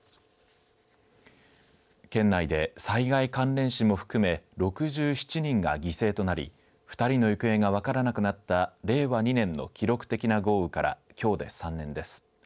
県内で災害関連死も含め６７人が犠牲となり２人の行方が分からなくなった令和２年の記録的な豪雨からきょうで３年です。